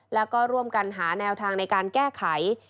แล้วก็ร่วมกันหาแนวทางในการแก้ไข